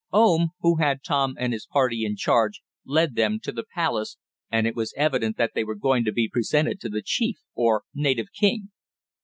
Oom, who had Tom and his party in charge, led them to the "palace" and it was evident that they were going to be presented to the chief or native king.